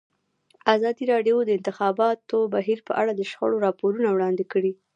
ازادي راډیو د د انتخاباتو بهیر په اړه د شخړو راپورونه وړاندې کړي.